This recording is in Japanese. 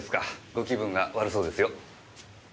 ご気分が悪そうですよ。